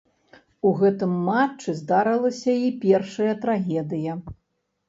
У гэтым матчы здарылася й першая трагедыя.